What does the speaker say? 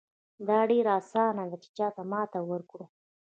دا ډېره اسانه ده چې چاته ماتې ورکړو.